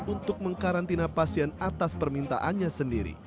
untuk mengkarantina pasien atas permintaannya sendiri